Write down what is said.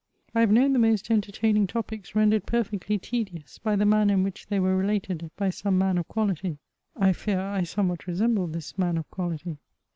I have known the most entertaining topics rendered perfectly tedious by the manner in which they were related by some man of quaHty." I fear I somewhat resemble this man of quality.